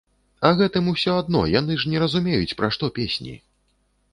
А гэтым усё адно, яны ж не разумеюць, пра што песні!